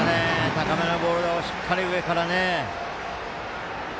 高めのボールを、しっかり上から。